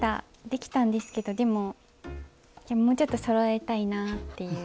できたんですけどでももうちょっとそろえたいなっていう。